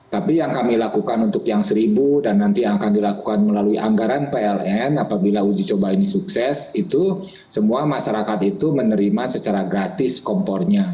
tapi yang kami lakukan untuk yang seribu dan nanti yang akan dilakukan melalui anggaran pln apabila uji coba ini sukses itu semua masyarakat itu menerima secara gratis kompornya